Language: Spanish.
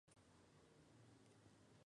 Es internacional con la selección de Honduras.